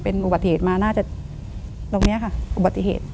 เป็นอุบัติเหตุมาน่าจะตรงนี้ค่ะอุบัติเหตุ